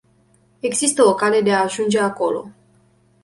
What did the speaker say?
Există o cale de a ajunge acolo.